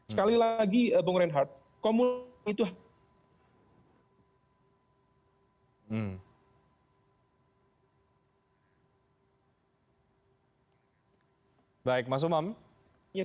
sekali lagi bung reinhardt itu